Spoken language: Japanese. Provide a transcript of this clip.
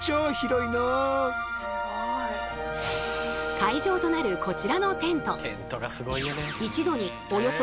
会場となるこちらのテント。